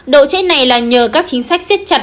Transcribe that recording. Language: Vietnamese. độ chết này là nhờ các chính sách xiết chặt